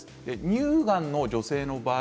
乳がんの女性の場合